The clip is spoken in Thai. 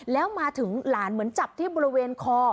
แล้วมาถึงหลานเหมือนจับที่บริเวณคอ